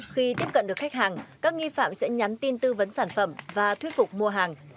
khi tiếp cận được khách hàng các nghi phạm sẽ nhắn tin tư vấn sản phẩm và thuyết phục mua hàng